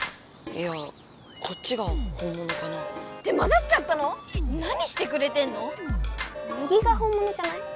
いやこっちがほんものかな？ってまざっちゃったの⁉何してくれてんの⁉右がほんものじゃない？